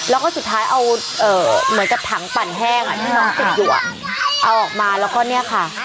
แล้วก็สุดท้ายเอาเหมือนกับถังปั่นแห้งอ่ะที่น้องติดอยู่เอาออกมาแล้วก็เนี่ยค่ะ